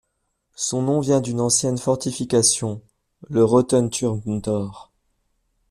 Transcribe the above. Son nom vient d'une ancienne fortification, le Rotenturmtor.